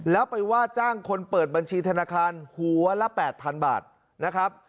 แล้วไปว่าจ้างคนเปิดบัญชีธนาคารหัวละ๘๐๐๐บาทนะครับ